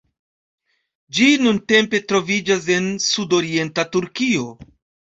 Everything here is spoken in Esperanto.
Ĝi nuntempe troviĝas en sudorienta Turkio.